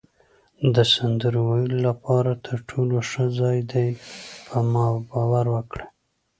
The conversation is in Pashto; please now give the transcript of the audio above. د سندرو ویلو لپاره تر ټولو ښه ځای دی، په ما باور وکړئ.